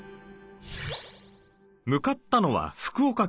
向かったのは福岡県。